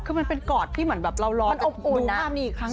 คือมันเป็นกรอดที่เหมือนแบบรอรอจนดูภาพมีอีกครั้ง